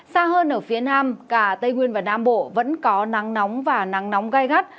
xa hơn ở phía nam cả tây nguyên và nam bộ vẫn có nắng nóng và nắng nóng gai gắt